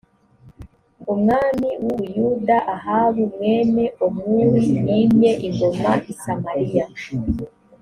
umwami w u buyuda ahabu mwene omuri yimye ingoma i samariya